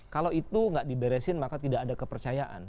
kalau itu nggak diberesin maka tidak ada kepercayaan